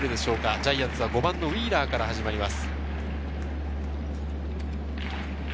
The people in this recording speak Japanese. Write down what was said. ジャイアンツは５番・ウィーラーから始まります。